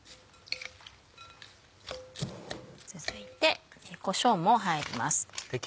続いてこしょうも入ります。